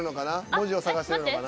文字を探してるのかな？